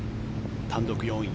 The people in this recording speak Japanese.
単独４位。